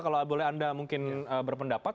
kalau boleh anda mungkin berpendapat